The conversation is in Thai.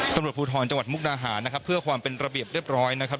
ตำรวจภูทรจังหวัดมุกดาหารนะครับเพื่อความเป็นระเบียบเรียบร้อยนะครับ